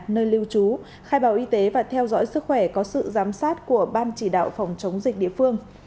nơi lưu trú khai báo y tế và theo dõi sức khỏe có sự giám sát của ban chỉ đạo phòng chống dịch địa phương